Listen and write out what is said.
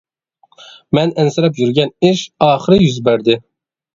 مەن ئەنسىرەپ يۈرگەن ئىش ئاخىرى يۈز بەردى.